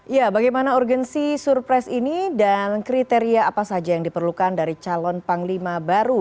ya bagaimana urgensi surpres ini dan kriteria apa saja yang diperlukan dari calon panglima baru